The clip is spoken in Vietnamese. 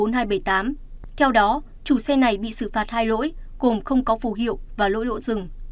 theo đó chủ xe này bị xử phạt hai lỗi gồm không có phù hiệu và lỗi lộ rừng